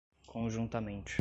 conjuntamente